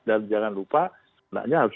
dan jangan lupa anaknya harus